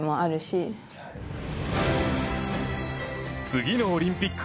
次のオリンピック